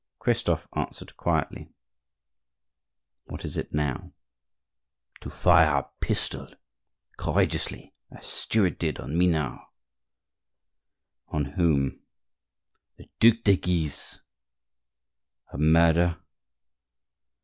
Christophe answered quietly:— "What is it now?" "To fire a pistol courageously, as Stuart did on Minard." "On whom?" "The Duc de Guise." "A murder?"